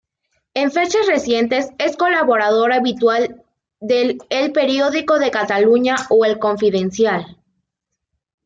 En fechas recientes es colaborador habitual del "El Periódico de Cataluña" o "El Confidencial".